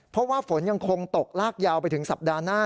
เพราะว่าฝนยังคงตกลากยาวไปถึงสัปดาห์หน้า